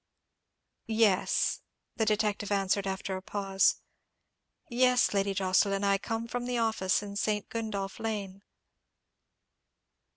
"Yes," the detective answered, after a pause, "yes, Lady Jocelyn, I come from the office in St. Gundolph Lane."